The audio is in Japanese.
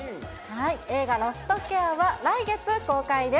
映画、ロストケアは来月公開です。